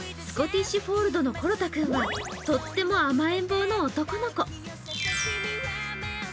スコティッシュフォールドのコロタくんはとっても甘えん坊の男の子。